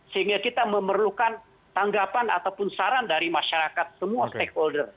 sehingga kita memerlukan tanggapan ataupun saran dari masyarakat semua stakeholder